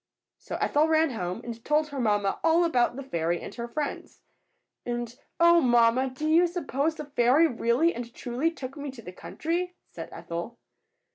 So Ethel ran home and told her mamma all about the fairy and her friends. And, "Oh, mamma! do you suppose the fairy really and truly took me to the country?" said Ethel.